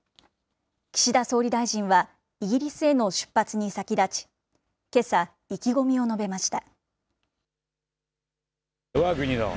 岸田総理大臣はイギリスへの出発に先立ち、けさ、意気込みを述べました。